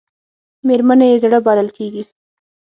مېرمنې یې زړه بلل کېږي .